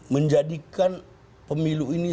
menjadikan pemilu ini